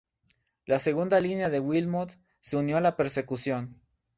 La segunda línea de Wilmot se unió a la persecución.